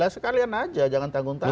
sekalian aja jangan tanggung tanggung